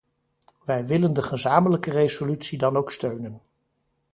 Wij willen de gezamenlijke resolutie dan ook steunen.